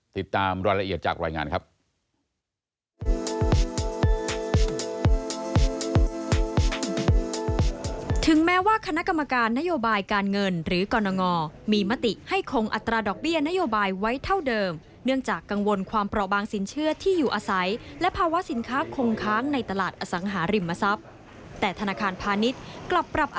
ติดตามรายละเอียดจากรายงานครับ